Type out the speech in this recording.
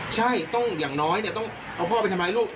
ใช่ต้องอย่างน้อยต้องเอาพ่อไปทำร้ายลูก